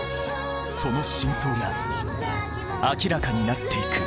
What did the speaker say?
その真相が明らかになっていく！